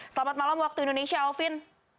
selamat malam waktu indonesia alvin